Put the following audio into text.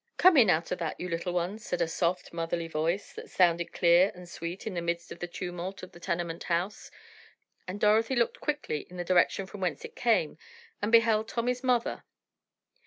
"Come in out of that, you little ones," said a soft, motherly voice, that sounded clear and sweet in the midst of the tumult of the tenement house, and Dorothy looked quickly in the direction from whence it came and beheld Tommy's mother.